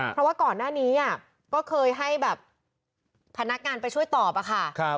เพราะว่าก่อนหน้านี้ก็เคยให้แบบพนักงานไปช่วยตอบอะค่ะ